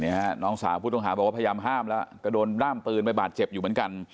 น้องสาวผู้ต้องหาบอกว่าพยายามห้ามแล้วก็โดนด้ามปืนไปบาดเจ็บอยู่เหมือนกัน